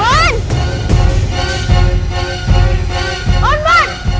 aku tak ada